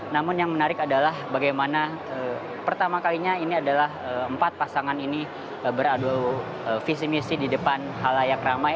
namun yang menarik adalah bagaimana pertama kalinya ini adalah empat pasangan ini beradu visi misi di depan halayak ramai